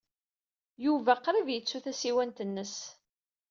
Yuba qrib yettu tasiwant-nnes.